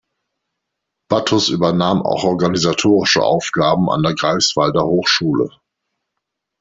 Battus übernahm auch organisatorische Aufgaben an der Greifswalder Hochschule.